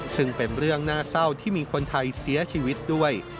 ซึ่งเป็นเรื่องน่าเศร้าที่มีคนไทยเสียชีวิตด้วย